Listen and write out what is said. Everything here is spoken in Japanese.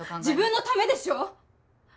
自分のためでしょ？